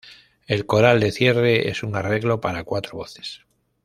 El coral de cierre es un arreglo para cuatro voces.